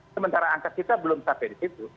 sementara angka kita belum sampai di situ